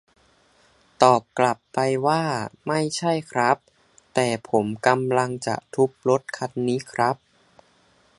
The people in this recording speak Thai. ตอบกลับไปว่า ไม่ใช่ครับ แต่ผมกำลังจะทุบรถคันนี้ครับ